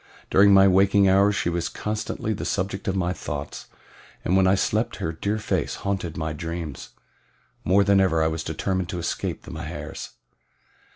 During my waking hours she was constantly the subject of my thoughts, and when I slept her dear face haunted my dreams. More than ever was I determined to escape the Mahars.